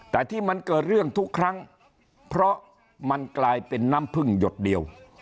แต่ที่มันเกิดเรื่องทุกครั้งเพราะมันกลายเป็นน้ำพึ่งหยดเดียว